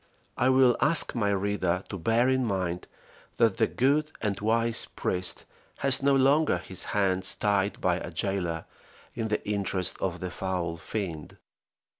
I will ask my reader to bear in mind, that the good and wise priest has no longer his hands tied by a jailer in the interest of the foul fiend.